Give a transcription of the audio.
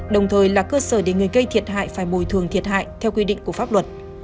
đồng thời là cơ sở để người gây thiệt hại phải bồi thường thiệt hại theo quy định của pháp luật